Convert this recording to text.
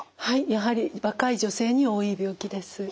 やはり若い女性に多い病気です。